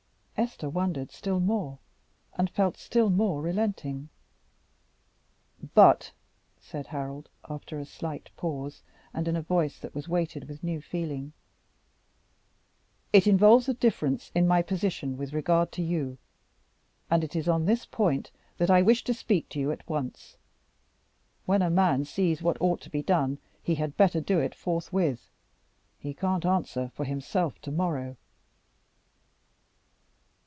Esther wondered still more, and felt still more relenting. "But," said Harold, after a slight pause, and in a voice that was weighted with new feeling, "it involves a difference in my position with regard to you; and it is on this point that I wished to speak to you at once. When a man sees what ought to be done, he had better do it forthwith. He can't answer for himself to morrow."